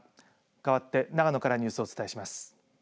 かわって長野からニュースをお伝えします。